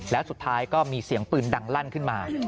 แล้วสุดท้ายก็มีเสียงปืนดังลั่นขึ้นมา